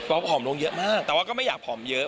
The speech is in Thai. ซื้อแล้วผมผอมลงเยอะมากแต่ว่าก็ไม่อยากผอมเยอะ